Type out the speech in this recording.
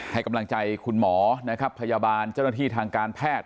ให้กำลังใจคุณหมอนะครับพยาบาลเจ้าหน้าที่ทางการแพทย์